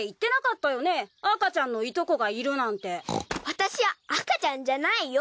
私は赤ちゃんじゃないよ。